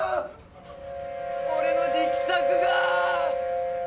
俺の力作が。